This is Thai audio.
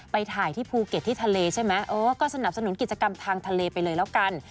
ไปถ่ายที่ภูเก็ตที่ทะเลใช่ไหมเออก็สนับสนุนกิจกรรมทางทะเลไปเลยแล้วกัน